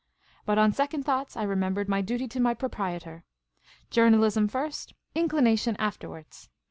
But on second thoughts, I remembered my duty to my proprietor. Journalism first ; inclination afterwards